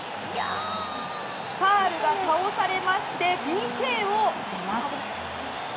サールが倒されましてＰＫを得ます。